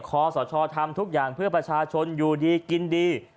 คอสชทำทุกอย่างเพื่อประชาชนอยู่ดีกินดี